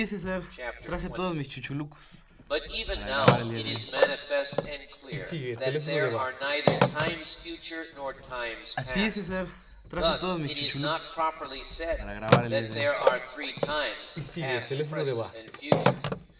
CHAPTER XX 26. But even now it is manifest and clear that there are neither times future nor times past. Thus it is not properly said that there are three times, past, present, and future.